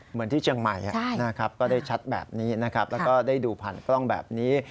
เหมือนที่เชียงใหม่นะครับก็ได้ชัดแบบนี้นะครับแล้วก็ได้ดูผ่านกล้องแบบนี้